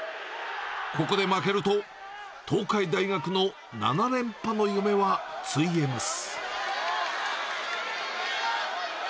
ここで負けると、東海大学の７連覇の夢はついえます。